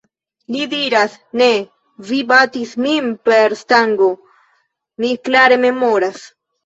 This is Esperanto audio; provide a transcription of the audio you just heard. Li diras: "Ne! Vi batis min per stango. Mi klare memoras."